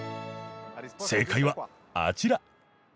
正解はあちら！